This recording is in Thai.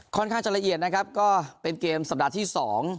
ค่อนข้างจะละเอียดนะครับก็เป็นเกมสัปดาห์ที่สอง